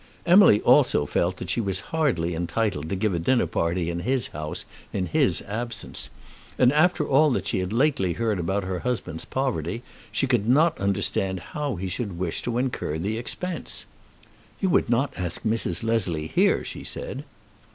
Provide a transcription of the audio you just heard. Emily also felt that she was hardly entitled to give a dinner party in his house in his absence. And, after all that she had lately heard about her husband's poverty, she could not understand how he should wish to incur the expense. "You would not ask Mrs. Leslie here!" she said.